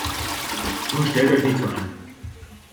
Nun stellt euch nicht so an!